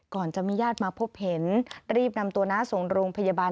ก่อนจะมีญาติมาพบเห็นรีบนำตัวน้าส่งโรงพยาบาล